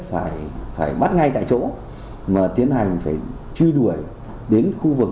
phải bắt ngay tại chỗ và tiến hành phải truy đuổi đến khu vực